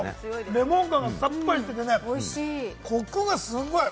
レモン感あってさっぱりしてて、コクがすごい。